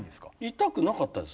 痛くなかったです。